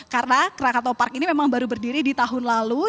karena krakatau park ini memang baru berdiri di tahun lalu